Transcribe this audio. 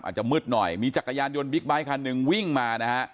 อาจจะมืดหน่อยมีจักรยานยนต์บิ๊กไบท์คันหนึ่งวิ่งมานะฮะ